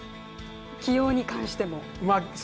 起用に関しても？